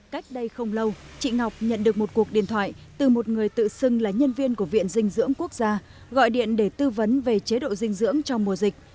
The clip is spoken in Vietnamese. cách đây không lâu chị ngọc nhận được một cuộc điện thoại từ một người tự xưng là nhân viên của viện dinh dưỡng quốc gia gọi điện để tư vấn về chế độ dinh dưỡng trong mùa dịch